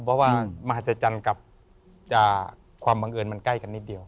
เพราะว่ามหัศจรรย์กับความบังเอิญมันใกล้กันนิดเดียว